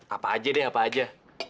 apa aja deh apa aja